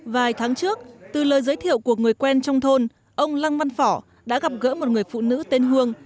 vài tháng trước từ lời giới thiệu của người quen trong thôn ông lăng văn phỏ đã gặp gỡ một người phụ nữ tên hương